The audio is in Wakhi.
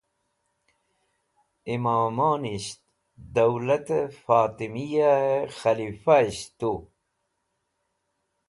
Imomonisht Dawlat e Fatimiyah e Khalifahisht Tu